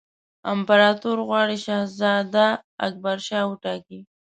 امپراطور غواړي شهزاده اکبرشاه وټاکي.